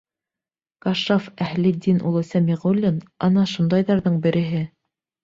Кашшаф Әһлетдин улы Сәмиғуллин — ана шундайҙарҙың береһе.